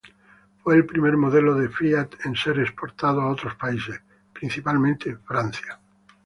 Fue el primer modelo de Fiat en ser exportado a otros países, principalmente Francia.